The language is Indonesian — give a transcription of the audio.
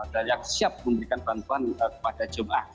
dan yang siap memberikan bantuan kepada jemaah